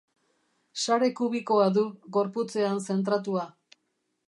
Sare kubikoa du, gorputzean zentratua.